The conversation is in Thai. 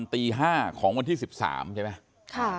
ตี๕ของวันที่๑๓ใช่ไหม